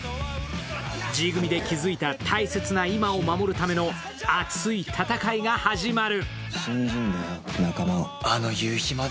Ｇ組で築いた大切な青春を守るための熱い戦いが始まる。